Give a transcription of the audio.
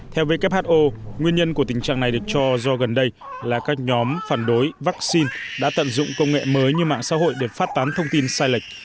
theo who nguyên nhân của tình trạng này được cho do gần đây là các nhóm phản đối vaccine đã tận dụng công nghệ mới như mạng xã hội để phát tán thông tin sai lệch